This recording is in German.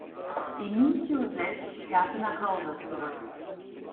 Emicho selbst kehrte nach Hause zurück.